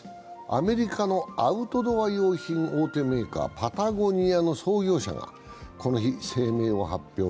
アメリカのアウトドア用品・大手メーカー、パタゴニアの創業者がこの日、声明を発表。